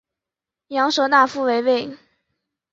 羊舌大夫为尉。